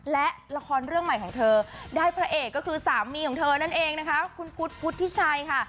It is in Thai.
และละครเรื่องใหม่ของเธอได้พระเอกก็คือสามีของเธอนั่นเองนะคะคุณพุทธพุทธิชัยค่ะ